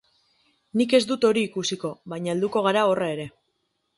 Nik ez dut hori ikusiko, baina helduko gara horra ere.